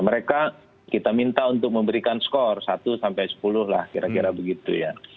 mereka kita minta untuk memberikan skor satu sampai sepuluh lah kira kira begitu ya